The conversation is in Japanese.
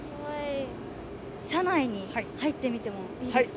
車内に入ってみてもいいですか？